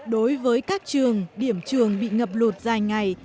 đối với các trường điểm trường bị ngập lụt dài ngày